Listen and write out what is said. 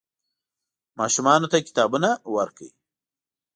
ماشومانو ته کتابونه ورکړئ.